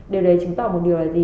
điều đấy chứng tỏ một điều là gì